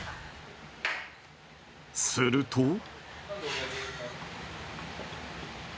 すると。